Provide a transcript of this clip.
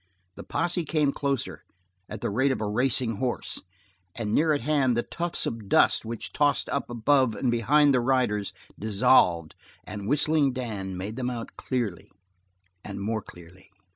The posse came closer, at the rate of a racing horse, and near at hand the tufts of dust which tossed up above and behind the riders dissolved, and Whistling Dan made them out clearly, and more clearly.